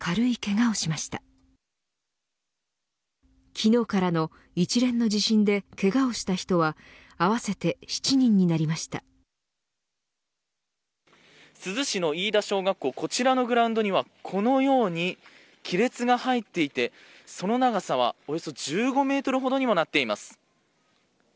こちらのグラウンドにはこのように亀裂が入っていてその長さはおよそ１５メートルほどにもなっています。